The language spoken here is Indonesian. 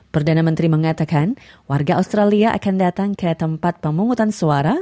perdana menteri mengatakan warga australia akan datang ke tempat pemungutan suara